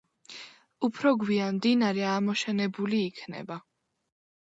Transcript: უფრო გვიან მდინარე ამოშენებულ იქნა.